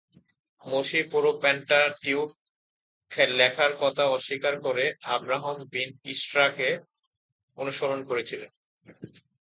মোশি পুরো পেন্টাটিউক লেখার কথা অস্বীকার করে অব্রাহাম বিন ইষ্রাকে অনুসরণ করেছিলেন।